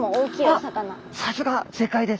さすが正解です。